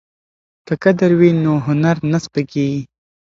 که قدر وي نو هنر نه سپکیږي.